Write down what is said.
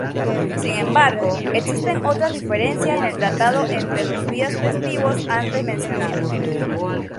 Sin embargo, existen otras diferencias en el tratado entre los días festivos antes mencionados.